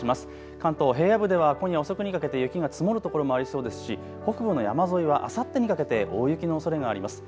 関東平野部では今夜遅くにかけて雪が積もるところもありそうですし北部の山沿いはあさってにかけて大雪のおそれがあります。